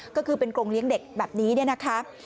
ก็คือเป็นกรงเลี้ยงเด็กแบบนี้เนี่ยนะคะ